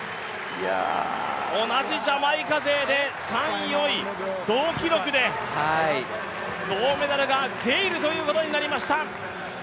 同じジャマイカ勢で３位４位、同記録で銅メダルがゲイルということになりました。